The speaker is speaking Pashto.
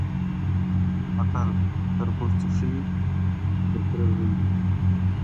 متل: تربور چي ښه وي د تره زوی دی؛